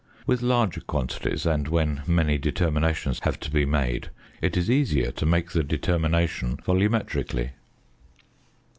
With larger quantities, and when many determinations have to be made, it is easier to make the determination volumetrically.